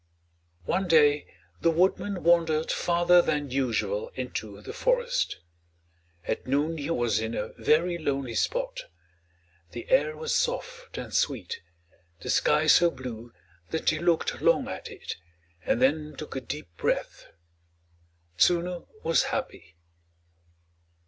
One day the woodman wandered farther than usual into the forest. At noon he was in a very lonely spot. The air was soft and sweet, the sky so blue that he looked long at it, and then took a deep breath. Tsunu was happy.